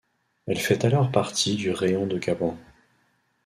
Elle fait alors partie du raion de Kapan.